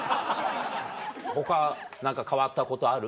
他何か変わったことある？